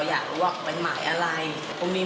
ว่าช่อโกงหรืออะไรอย่างน้องนี้